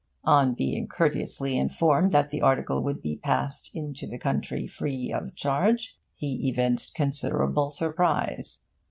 On being courteously informed that the article would be passed into the country free of charge, he evinced considerable surprise.